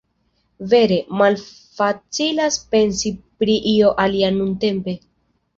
Vere, malfacilas pensi pri io alia nuntempe...